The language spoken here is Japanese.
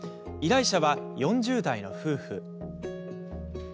依頼者は、４０代の夫婦。